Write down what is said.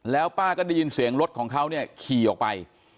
แล้วป้าก็ได้ยินเสียงรถของเขาเนี่ยขี่ออกไป